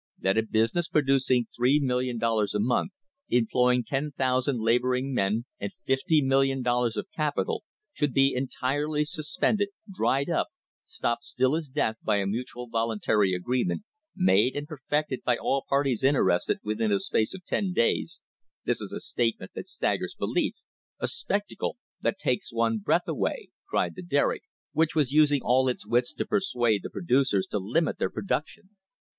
"That a business producing three million dollars a month, employing 10,000 labouring men and fifty million dollars of capital, should be entirely sus pended, dried up, stopped still as death by a mutual volun tary agreement, made and perfected by all parties interested, within a space of ten days — this is a statement that staggers belief — a spectacle that takes one's breath away," cried the Derrick, which was using all its wits to persuade the pro THE HISTORY OF THE STANDARD OIL COMPANY ducers to limit their production.